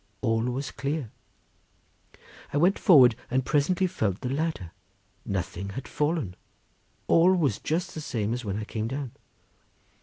All was clear. I went forward and presently felt the ladder. Nothing had fallen; all was just the same as when I came down.